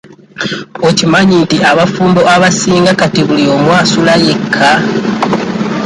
Okimanyi nti abafumbo abasinga kati buli omu asula yekka.?